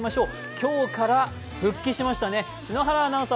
今日から復帰しましたね、篠原アナウンサー。